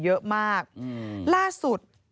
เยอะมากล่าสุด